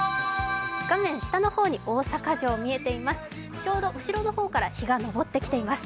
画面下の方に大阪城見えています。